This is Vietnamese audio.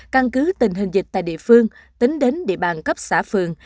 căn cứ tình hình dịch tại địa phương tính đến địa bàn cấp xã phường